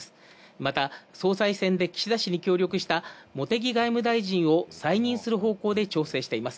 また、総裁選で岸田氏に協力した茂木外務大臣を再任する方向で調整しています。